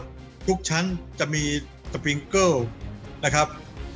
ทุกชั้นจะมีสปริงเกิลนะครับ